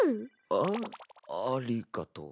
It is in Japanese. あありがと。